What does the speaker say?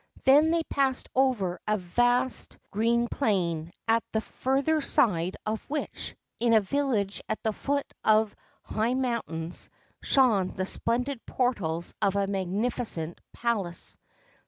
Then they passed over a vast green plain, at the further side of which, in a village at the foot of high mountains, shone the splendid portals of a magnificent palace.